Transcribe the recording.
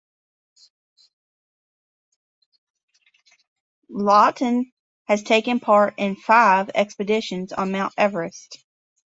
Laughton has taken part in five expeditions on Mount Everest.